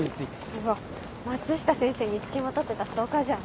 うわ松下先生に付きまとってたストーカーじゃん。